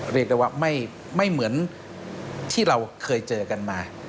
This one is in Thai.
เรียกได้ว่าไม่เหมือนที่เราเคยเจอกันมา